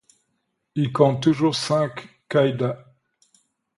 Il compte toujours cinq caïdats.